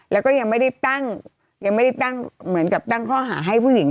แล้วก็ยังไม่ได้ตั้งเหมือนกับตั้งข้อหาให้ผู้หญิง